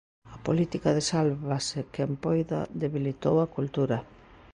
A política de "sálvase quen poida" debilitou a cultura.